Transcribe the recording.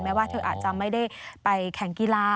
ว่าเธออาจจะไม่ได้ไปแข่งกีฬา